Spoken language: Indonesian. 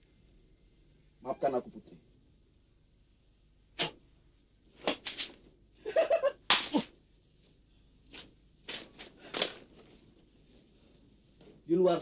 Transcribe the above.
stats raga di luar hujung ulang